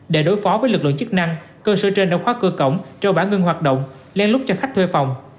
để đối phó với lực lượng chức năng cơ sở trên đã khóa cơ cổng treo bã ngưng hoạt động len lút cho khách thuê phòng